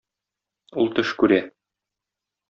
Ул төш күрә.